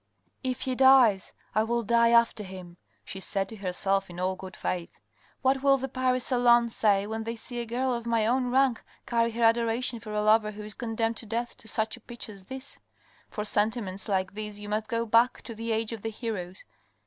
" If he dies, I will die after him," she said to herself in all good faith. " What will the Paris salons say when they see a girl of my own rank carry her adoration for a lover who is condemned to death to such a pitch as this ? For sentiments like these you must go back to the age of the heroes.